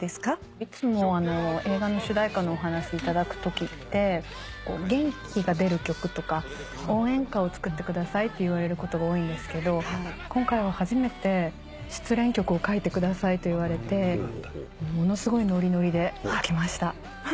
いつも映画の主題歌のお話頂くときって元気が出る曲とか応援歌を作ってくださいって言われることが多いんですけど今回は初めて失恋曲を書いてくださいと言われてものすごいノリノリで書きました。